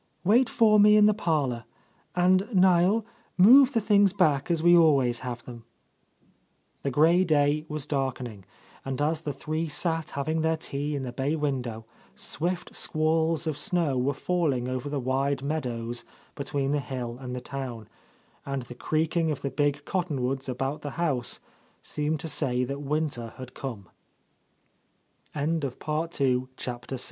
Wait for me in the parlour. And, Niel, move the things back as we always have them." The grey day was darkening, and as the three sat having their tea in the bay window, swift squalls of snow were falling over the wide meadows between the hill and the town, and the creaking of the big cottonwoods about the house seemed to say that winte